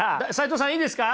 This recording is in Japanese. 齋藤さんいいですか？